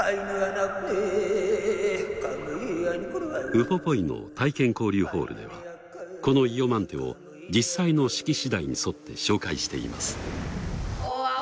ウポポイの体験交流ホールではこのイヨマンテを実際の式次第に沿って紹介しています。